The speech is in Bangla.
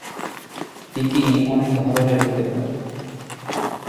বিকিনি অনেক ধরনের হতে পারে।